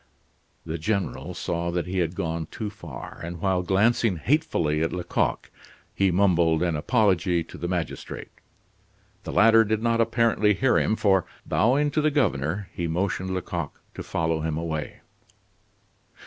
The General saw that he had gone too far; and while glancing hatefully at Lecoq, he mumbled an apology to the magistrate. The latter did not apparently hear him, for, bowing to the governor, he motioned Lecoq to follow him away.